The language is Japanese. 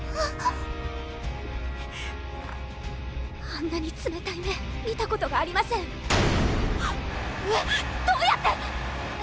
あんなにつめたい目見たことがありません・・上⁉どうやって？